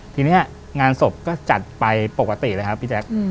ทีนี้งานศพก็จัดไปปกติเลยครับพี่แจ๊ค